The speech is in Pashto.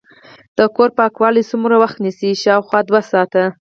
د کور پاکول څومره وخت نیسي؟ شاوخوا دوه ساعته